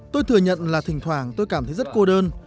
tôi thừa nhận là thỉnh thoảng tôi cảm thấy rất cô đơn